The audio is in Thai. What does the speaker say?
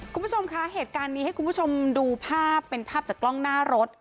คุณผู้ชมคะเหตุการณ์นี้ให้คุณผู้ชมดูภาพเป็นภาพจากกล้องหน้ารถ